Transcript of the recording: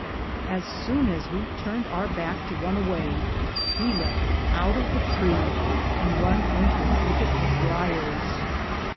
Assown as we turned our backe to run awaye. He leape oute of the tre, and Rune into a thickett of brieres.